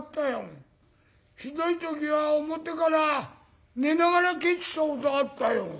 ひどい時は表から寝ながら帰ってきたことがあったよ。